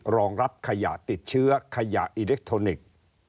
รองรับขยะติดเชื้อขยะอิเล็กทรอนิกส์